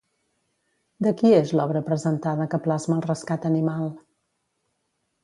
De qui és l'obra presentada que plasma el rescat animal?